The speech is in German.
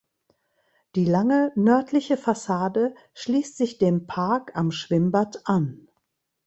Die lange nördliche Fassade schließt sich dem Park am Schwimmbad an.